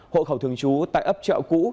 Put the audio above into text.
hộ khẩu thường chú tại ấp chợ cũ